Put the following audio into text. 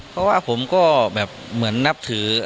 เพราะว่าผมก็แบบเหมือนนับถือ